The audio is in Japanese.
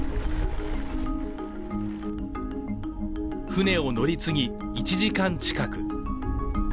船を乗り継ぎ、１時間近く。